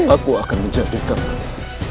aku akan menjadikanmu